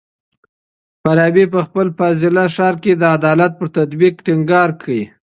فارابي په خپل فاضله ښار کي د عدالت پر تطبيق ټينګار کړی.